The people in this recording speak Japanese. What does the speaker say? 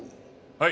はい。